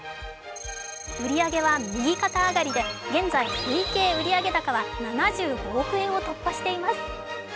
売り上げは右肩上がりで現在、累計売上高は７５億円を突破しています。